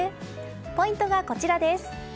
ポイントがこちらです。